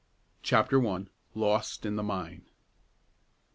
CHAPTER I. LOST IN THE MINE.